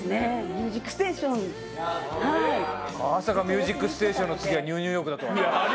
まさか『ミュージックステーション』の次は『ＮＥＷニューヨーク』だとはね。